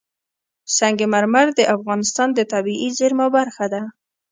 سنگ مرمر د افغانستان د طبیعي زیرمو برخه ده.